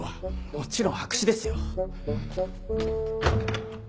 もちろん白紙ですよ！